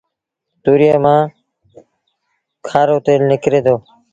تُوريئي مآݩ کآرو تيل نڪري دو